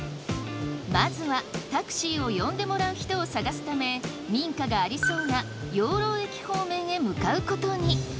まずはタクシーを呼んでもらう人を探すため民家がありそうな養老駅方面へ向かうことに。